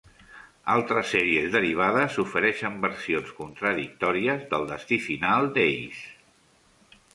Altres sèries derivades ofereixen versions contradictòries del destí final d'Ace.